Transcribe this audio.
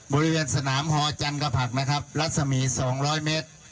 บริเวณสนามฮอจันกระผักนะครับรัศมี๒๐๐เมตร